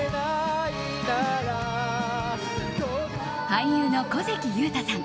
俳優の小関裕太さん